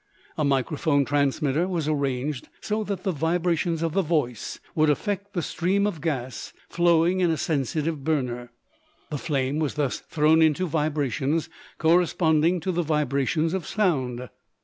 A microphone transmitter was arranged so that the vibrations of the voice would affect the stream of gas flowing in a sensitive burner. The flame was thus thrown into vibrations corresponding to the vibrations of sound.